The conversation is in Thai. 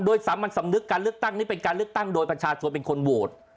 โดยสามัญสำนึกการเลือกตั้งนี้เป็นการเลือกตั้งโดยประชาชนเป็นคนโหวต